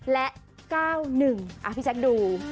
และ๙๑พี่แจ๊คดู